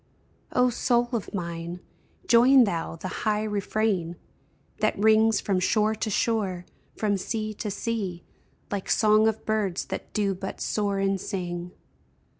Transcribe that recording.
O soul of mine, join thou the high refrain That rings from shore to shore, from sea to sea, Like song of birds that do but soar and sing